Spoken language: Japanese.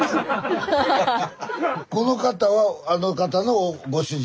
この方はあの方のご主人？